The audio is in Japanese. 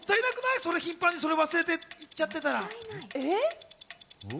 それ頻繁に忘れて行っちゃってたら。